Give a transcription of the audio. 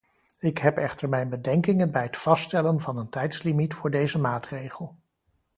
Ik heb echter mijn bedenkingen bij het vaststellen van een tijdslimiet voor deze maatregel.